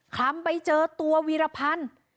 คลำไปเจอตัววีรพันธ์